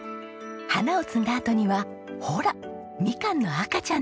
花を摘んだあとにはほらみかんの赤ちゃんです。